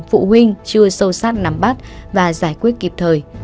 phụ huynh chưa sâu sát nắm bắt và giải quyết kịp thời